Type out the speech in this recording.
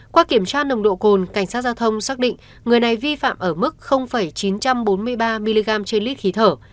qua kiểm tra nồng độ cồn cảnh sát giao thông xác định người này vi phạm ở mức chín trăm bốn mươi ba mg trên lít khí thở